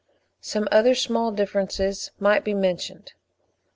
Some other small differences might be mentioned.